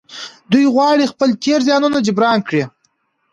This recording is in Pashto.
دوی غواړي خپل تېر زيانونه جبران کړي.